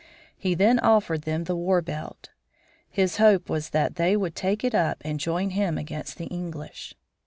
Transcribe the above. He then offered them the war belt. His hope was that they would take it up and join him against the English.